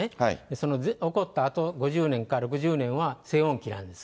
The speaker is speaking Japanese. その起こったあと５０年か６０年は、静穏期なんです。